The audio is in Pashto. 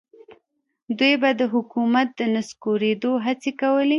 دوی به د حکومت د نسکورېدو هڅې کولې.